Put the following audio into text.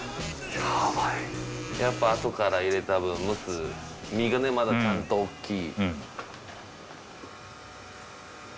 やっぱあとから入れた分蒸す身がねまだちゃんとおっきい。